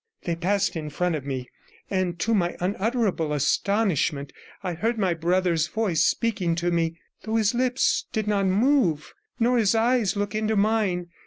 They passed in front of me, and to my unutterable astonishment, I heard my brother's voice speaking to me, though his lips did not move, nor his eyes look into mine.